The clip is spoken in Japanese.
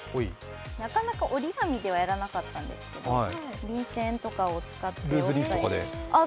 なかなか折り紙ではやらなかったんですけど、便せんとかを使って。